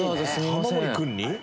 玉森君に？